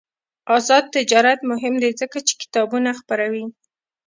آزاد تجارت مهم دی ځکه چې کتابونه خپروي.